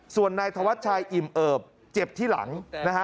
ส่วนนายธวัชชัยอิ่มเอิบเจ็บที่หลังนะฮะ